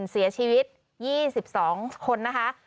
เสียชีวิต๒๒คนนะคะ